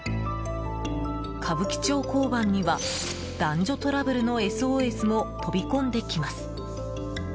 歌舞伎町交番には男女トラブルのＳＯＳも飛び込んできます。